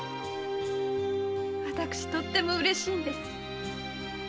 私とっても嬉しいんです。